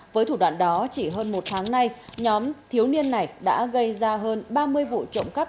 với thủ đoạn đó chỉ hơn một tháng nay nhóm thiếu niên này đã gây ra hơn ba mươi vụ trộm cắp